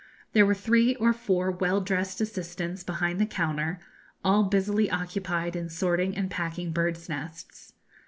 There were three or four well dressed assistants behind the counter, all busily occupied in sorting and packing birds' nests.